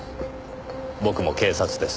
僕も警察です。